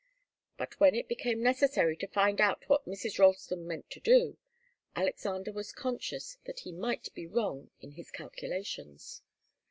But when it became necessary to find out what Mrs. Ralston meant to do, Alexander was conscious that he might be wrong in his calculations.